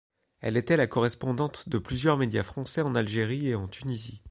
Elle était la correspondante de plusieurs médias français en Algérie et en Tunisie.